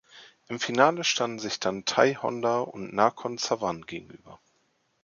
Im Finale standen sich dann Thai Honda und Nakhon Sawan gegenüber.